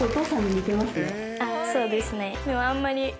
そうですね。